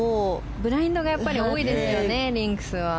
ブラインドが多いですよねリンクスは。